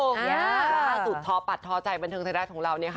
สุดท้อปัดท้อใจบนทึงทางด้านของเรา